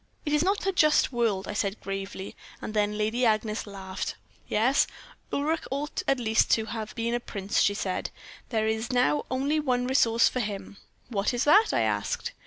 "'It is not a just world,' I said gravely; and again Lady Agnes laughed. "'Yes, Ulric ought at least to have been a prince,' she said; 'there is now only one resource for him.' "'What is that?' I asked.